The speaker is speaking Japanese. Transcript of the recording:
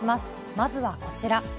まずはこちら。